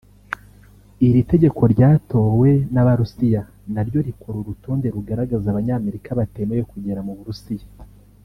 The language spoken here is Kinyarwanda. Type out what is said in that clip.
Iri tegeko ryatowe n’Abarusiya naryo rikora urutonde rugaragaza Abanyamerika batemewe kugera mu Burusiya